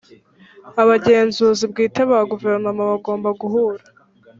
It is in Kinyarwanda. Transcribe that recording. Abagenzuzi bwite ba Guverinoma bagomba guhura